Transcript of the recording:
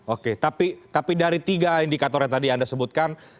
oke tapi dari tiga indikator yang tadi anda sebutkan